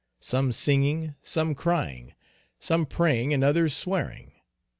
Some singing, some crying, some praying, and others swearing.